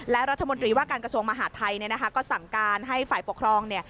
และรัฐมนตรีว่าการกระทรวงมหาดไทยก็สั่งการให้ฝ่ายปกครอง